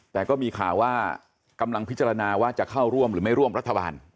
แต่ก็มีข่าวว่ากำลังพิจารณาว่าจะเข้าร่วมหรือไม่ร่วมรัฐบาล